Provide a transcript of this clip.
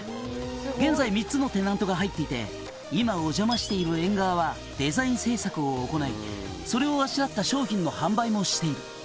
「現在３つのテナントが入っていて今お邪魔しているＥＮＧＡＷＡはデザイン制作を行いそれをあしらった商品の販売もしている」